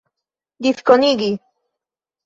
diskonigi